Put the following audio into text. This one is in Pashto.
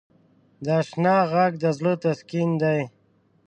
د اشنا ږغ د زړه تسکین دی.